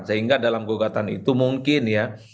sehingga dalam gugatan itu mungkin ya